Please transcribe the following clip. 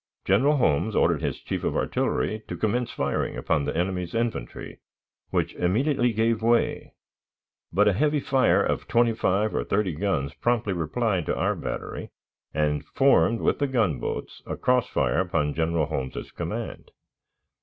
General Holmes ordered his chief of artillery to commence firing upon the enemy's infantry, which immediately gave way, but a heavy fire of twenty five or thirty guns promptly replied to our battery, and formed, with the gunboats, a cross fire upon General Holmes's command.